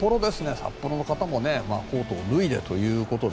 札幌の方もコートを脱いでということで。